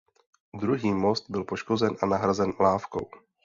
Druhý most byl poškozen a nahrazen lávkou.